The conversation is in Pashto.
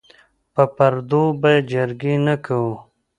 په پردو به جرګې نه کوو.